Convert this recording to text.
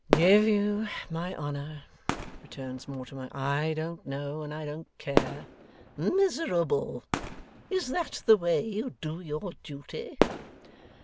'Give you my honour,' returns Mortimer, 'I don't know, and I don't care.' 'Miserable! Is that the way you do your duty?